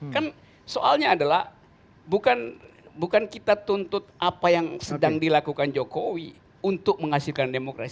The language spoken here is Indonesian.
kan soalnya adalah bukan kita tuntut apa yang sedang dilakukan jokowi untuk menghasilkan demokrasi